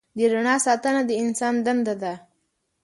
د رڼا ساتنه د انسان دنده ده.